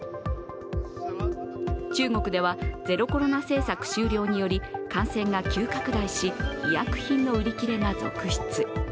中国では、ゼロコロナ政策終了により感染が急拡大し医薬品の売り切れが続出。